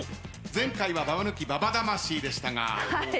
前回はババ抜き「ＢＡＢＡ魂」でしたが。